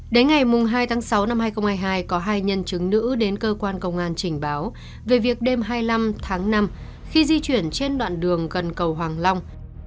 đến ngày hai tháng sáu năm hai nghìn hai mươi hai có hai nhân chứng nữ đến cơ quan công an trình báo về việc đêm hai mươi năm tháng năm khi di chuyển trên đoạn đường gần cầu hoàng long